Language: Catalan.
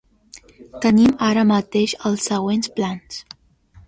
Tenim ara mateix els següents plans:.